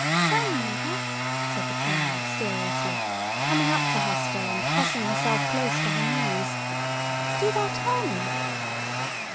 "Tell me, mother!" said the child, seriously, coming up to Hester, and pressing herself close to her knees. "Do thou tell me!"